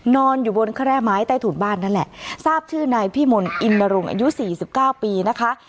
นอนอยู่บนแคร่ไม้ใต้ถุนบ้านนั่นแหละทราบชื่อนายพี่มนต์อินนรงค์อายุสี่สิบเก้าปีนะคะ